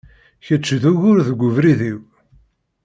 Kečč, d ugur deg ubrid-iw!